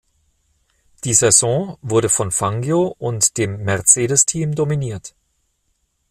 Die Saison wurde von Fangio und dem Mercedes-Team dominiert.